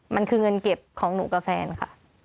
มันคือเงินเก็บของหนูกับแฟนค่ะ